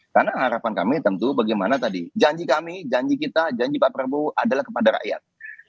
karena harapan kami tentu bagaimana tadi janji kami janji kita janji pak prabowo adalah kepada rakyat